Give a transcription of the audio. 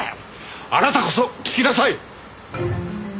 あなたこそ聞きなさい！